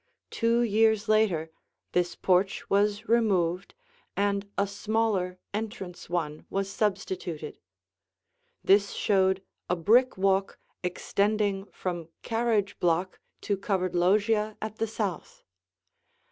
Two years later this porch was removed, and a smaller entrance one was substituted. This showed a brick walk extending from carriage block to covered loggia at the south.